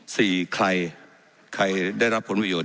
สี่ใครใครได้รับผลประโยชน